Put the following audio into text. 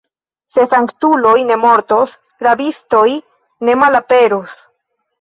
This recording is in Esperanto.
Se sanktuloj ne mortos, rabistoj ne malaperos.